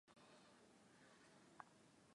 ingia mkataba na kampuni ya universal records